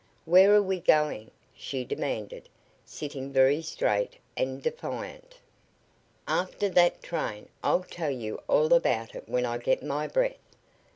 "Where are we going?" she demanded, sitting very straight and defiant. "After that train I'll tell you all about it when I get my breath.